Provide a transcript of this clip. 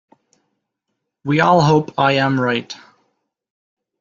We all hope I am right.